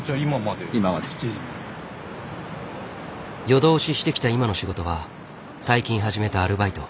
夜通ししてきた今の仕事は最近始めたアルバイト。